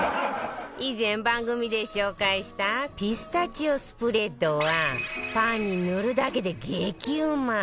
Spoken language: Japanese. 以前番組で紹介したピスタチオスプレッドはパンに塗るだけで激うま！